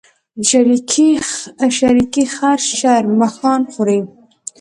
شريکي خر شرمښآن خوري.